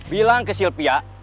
bilang ke sylvia